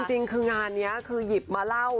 จริงคืองานนี้คือหยิบมาเล่า